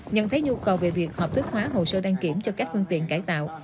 nhận thấy nhu cầu về việc hợp thức hóa hồ sơ đăng kiểm cho các phương tiện cải tạo